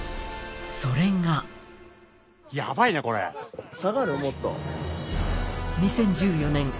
それが２０１４年